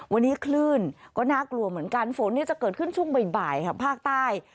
วันนี้คลื่นก็น่ากลัวเหมือนกันฝนจะเกิดขึ้นช่วงบ่ายค่ะภาคใต้